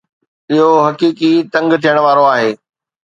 اهو حقيقي تنگ ٿيڻ وارو آهي